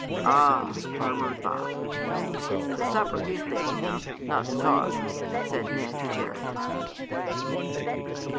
"Ah!" murmured Bob. "It's the supper he's thinking of, not the talk," said Ned to Jerry.